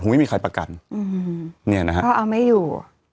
หูยไม่มีใครประกันเนี่ยนะฮะเขาเอาไม่อยู่